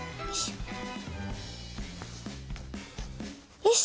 よし。